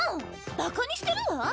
バカにしてるわ。